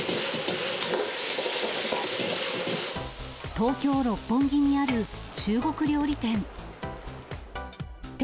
東京・六本木にある中国料理店。